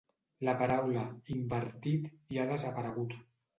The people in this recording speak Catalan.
La paraula ‘invertit’ hi ha desaparegut.